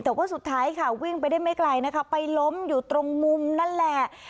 แต่ว่าสุดท้ายค่ะวิ่งไปได้ไม่ไกลนะคะไปล้มอยู่ตรงมุมนั่นแหละ